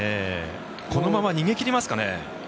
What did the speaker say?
このまま逃げ切りますかね。